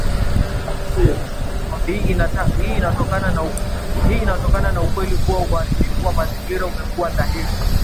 Hii inatokana na ukweli kuwa uharibifu wa mazingira umekuwa dhahiri